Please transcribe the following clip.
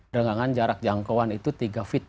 dengan jarak jangkauan itu tiga feet